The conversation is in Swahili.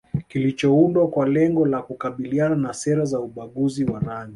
kilichoundwa kwa lengo la kukabiliana na sera za ubaguzi wa rangi